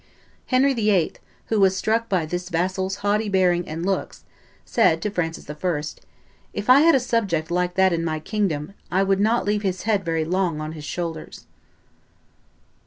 Henry VIII., who was struck by this vassal's haughty bearing and looks, said to Francis I., "If I had a subject like that in my kingdom, I would not leave his head very long on his shoulders."